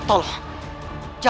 pasti kalian hidup gak